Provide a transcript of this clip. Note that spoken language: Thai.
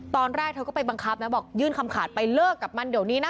ตอนแรกเธอไปบังคับนะยื่นคำขาดไปเลิกกับมันเท่านั้น